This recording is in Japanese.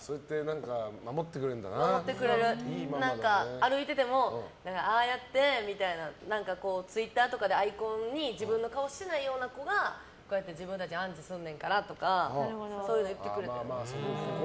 歩いててもああやってみたいなツイッターとかでアイコンに自分の顔を出してないような子が自分たちのアンチすんねんからとかそういうの言ってくれたりとか。